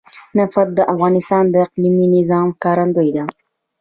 نفت د افغانستان د اقلیمي نظام ښکارندوی ده.